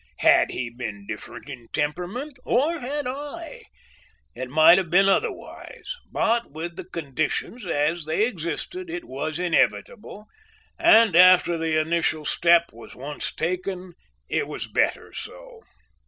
Had he been different in temperament, or had I, it might have been otherwise, but with the conditions as they existed, it was inevitable, and, after the initial step was once taken, it was better so.